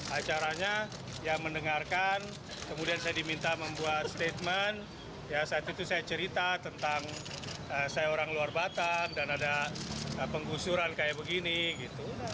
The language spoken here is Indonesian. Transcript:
acaranya ya mendengarkan kemudian saya diminta membuat statement ya saat itu saya cerita tentang saya orang luar batam dan ada penggusuran kayak begini gitu